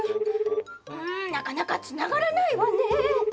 うーん、なかなかつながらないわ。